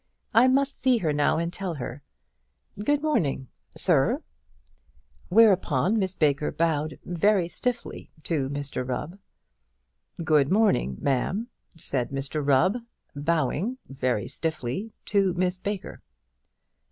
I must see her now, and tell her. Good morning, Sir;" whereupon Miss Baker bowed very stiffly to Mr Rubb. "Good morning, Ma'am," said Mr Rubb, bowing very stiffly to Miss Baker.